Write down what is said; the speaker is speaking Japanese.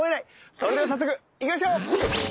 それでは早速行きましょう。